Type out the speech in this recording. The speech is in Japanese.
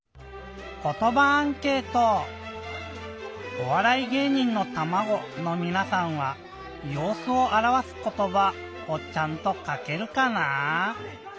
おわらいげい人のたまごのみなさんは「ようすをあらわすことば」をちゃんとかけるかなぁ？